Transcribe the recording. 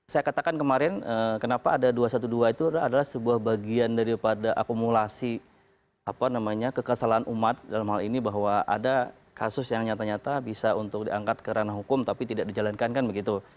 saya katakan kemarin kenapa ada dua ratus dua belas itu adalah sebuah bagian daripada akumulasi kekesalan umat dalam hal ini bahwa ada kasus yang nyata nyata bisa untuk diangkat ke ranah hukum tapi tidak dijalankan kan begitu